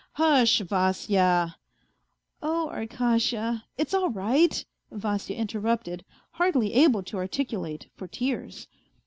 " Hush, Vasya !"" Oh, Arkasha !... it's all right," Vasya interrupted, hardly able to articulate for tears.